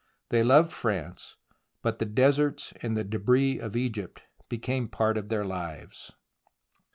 They loved France, but the deserts and the debris of Egypt became part of their lives.